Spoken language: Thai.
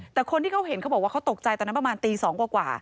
แต่คนที่เขาเห็นเขาบอกว่าเขาตกใจตอนนั้นประมาณตี๒กว่า